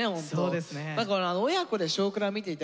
そうですね。